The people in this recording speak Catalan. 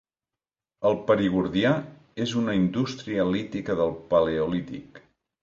El perigordià és una indústria lítica del paleolític.